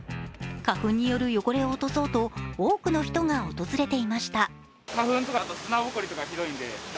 花粉による汚れを落とそうと多くの人が訪れていました。